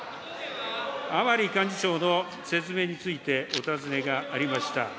甘利幹事長の説明についてお尋ねがありました。